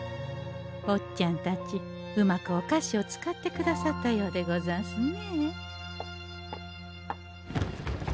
ぼっちゃんたちうまくお菓子を使ってくださったようでござんすね。